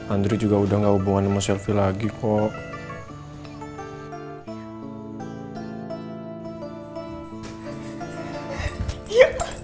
andri juga udah gak hubungan sama selfie lagi kok